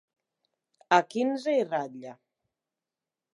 A quinze i ratlla.